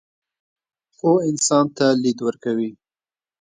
پوهه انسان ته لید ورکوي.